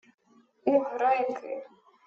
— У греки.